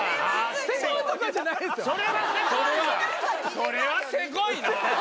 それはせこいな！